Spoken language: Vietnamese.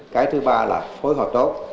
cái thứ ba là phối hợp tốt